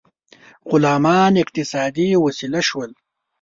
غلامان اقتصادي وسیله شول.